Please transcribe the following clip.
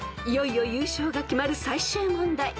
［いよいよ優勝が決まる最終問題］